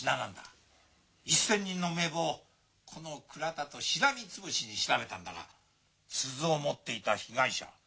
一千人の名簿をこの倉田としらみつぶしに調べたんだが鈴を持っていた被害者。